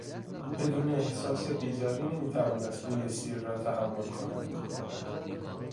بدون احساس بیزاری نمیتوانست بوی سیر را تحمل کند.